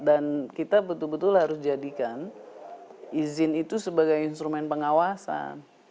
dan kita betul betul harus jadikan izin itu sebagai instrumen pengawasan